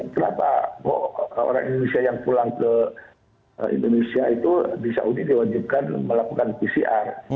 kenapa orang indonesia yang pulang ke indonesia itu di saudi diwajibkan melakukan pcr